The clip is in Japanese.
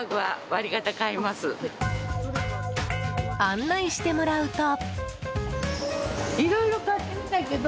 案内してもらうと。